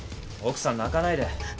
奥さん泣かないで。